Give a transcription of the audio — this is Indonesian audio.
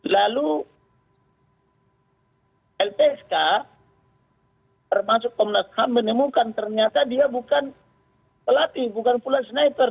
lalu lpsk termasuk komnas ham menemukan ternyata dia bukan pelatih bukan pula sniper